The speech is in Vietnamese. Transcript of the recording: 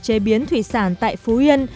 chế biến thủy sản tại phú yên